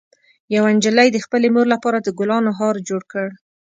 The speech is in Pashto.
یوه نجلۍ د خپلې مور لپاره د ګلانو هار جوړ کړ.